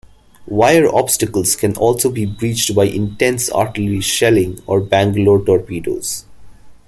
Wire obstacles can also be breached by intense artillery shelling or Bangalore torpedoes.